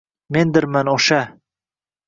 Mendirman o'sha!